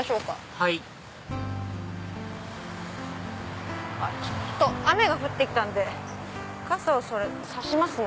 はいちょっと雨が降って来たんで傘を差しますね。